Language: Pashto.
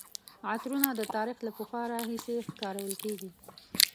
عطرونه د تاریخ له پخوا راهیسې کارول کیږي.